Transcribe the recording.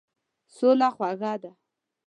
سوله خوږه ده.